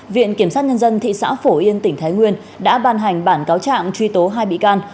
viện kiểm sát nhân dân thị xã phổ yên tỉnh thái nguyên đã ban hành bản cáo trạng truy tố hai bị can